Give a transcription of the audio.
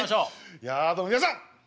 いやどうも皆さん！